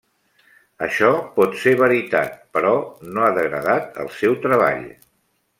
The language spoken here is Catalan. Això pot ser veritat, però no ha degradat el seu treball.